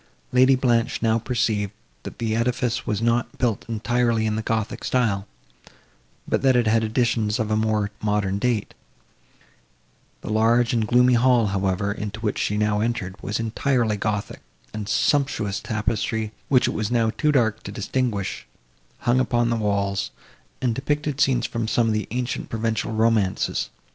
Lady Blanche now perceived, that the edifice was not built entirely in the gothic style, but that it had additions of a more modern date; the large and gloomy hall, however, into which she now entered, was entirely gothic, and sumptuous tapestry, which it was now too dark to distinguish, hung upon the walls, and depictured scenes from some of the ancient Provençal romances.